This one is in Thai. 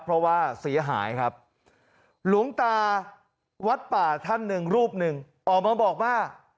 เพราะว่าเสียหายครับหลวงตาวัดป่าท่านหนึ่งรูปหนึ่งออกมาบอกว่า